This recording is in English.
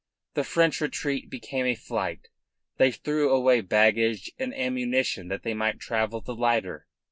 The French retreat became a flight. They threw away baggage and ammunition that they might travel the lighter.